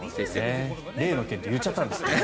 例の件って言っちゃったんですね。